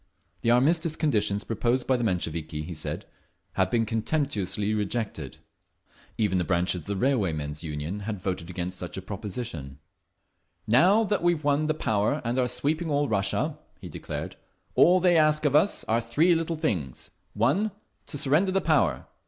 The armistice conditions proposed by the Mensheviki, he said, had been contemptuously rejected. Even the branches of the Railwaymen's Union had voted against such a proposition…. "Now that we've won the power and are sweeping all Russia," he declared, "all they ask of us are three little things: 1. To surrender the power.